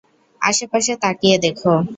আশেপাশে তাকিয়ে দেখো।